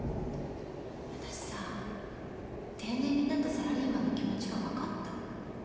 私さ定年になったサラリーマンの気持ちが分かった。